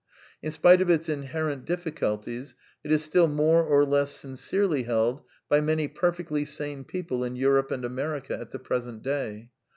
In spite of its in herent difficulties it is still more or less sincerely held by many perfectly sane people in Europe and America at the present day.